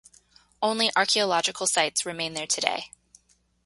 Only archaeological sites remain there today.